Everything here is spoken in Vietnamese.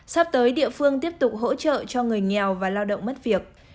sắp tới địa phương tiếp tục hỗ trợ cho người nghèo và lao động mất việc